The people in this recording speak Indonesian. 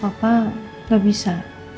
papak tidak bisa